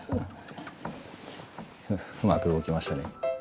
うまく動きましたね。